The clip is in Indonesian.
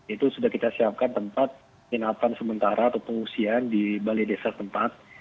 itu sudah kita siapkan tempat penginapan sementara atau pengungsian di balai desa tempat